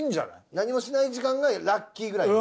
何もしない時間がラッキーくらいな。